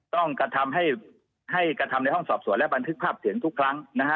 กระทำให้ให้กระทำในห้องสอบสวนและบันทึกภาพเสียงทุกครั้งนะฮะ